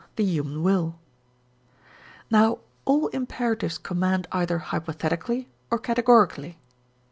the human will. Now all imperatives command either hypothetically or categorically.